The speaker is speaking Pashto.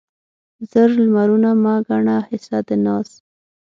زر لمرونه مه ګڼه حصه د ناز